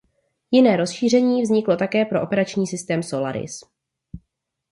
Jiné rozšíření vzniklo také pro operační systém Solaris.